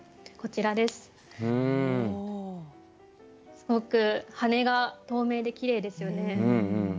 すごく翅が透明できれいですよね。